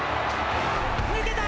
抜けた。